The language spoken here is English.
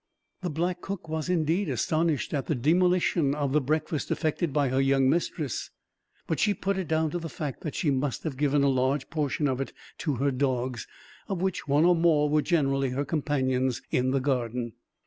The black cook was, indeed, astonished at the demolition of the breakfast effected by her young mistress; but she put it down to the fact that she must have given a large portion of it to her dogs, of which one or more were generally her companions, in the garden.